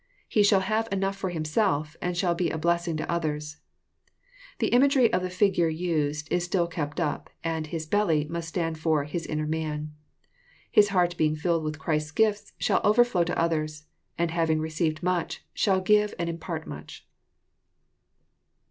He shall have enough for himself, and shall be a blessing to others. The imagery of the figure used is still kept up, and *< his belly " must stand for *' his inner man." His heart being filled with Christ's gifts shall overflow to others, and having received much, shall give ancTtinpart much.